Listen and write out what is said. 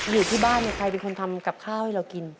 อยู่ที่บ้านเนี่ยใครเป็นคนทำกับข้าวให้เรากิน